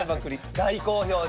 大好評で。